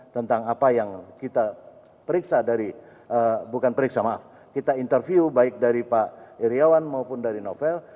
tentang apa yang kita periksa dari bukan periksa maaf kita interview baik dari pak iryawan maupun dari novel